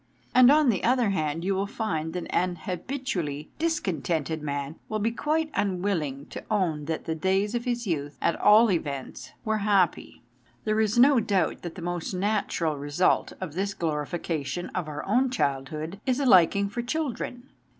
And on the other hand you will find that an habitually discontented man will be quite unwilling to own that the days of his youth, at all events, were happy. There is no doubt that the most natural result of this glorification of our own child hood is a liking for children.